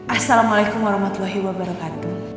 assalamualaikum warahmatullahi wabarakatuh